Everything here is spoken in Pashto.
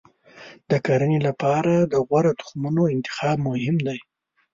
د کرنې لپاره د غوره تخمونو انتخاب مهم دی.